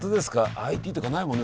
ＩＴとかないもんね